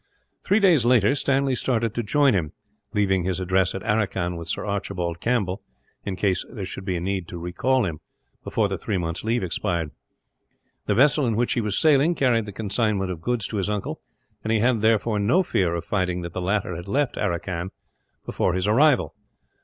Three days later, Stanley started to join him, leaving his address at Aracan with Sir Archibald Campbell, in case there should be need to recall him before the three months' leave expired. The vessel in which he was sailing carried the consignment of goods to his uncle; and he had, therefore, no fear of finding that the latter had left Aracan before his arrival.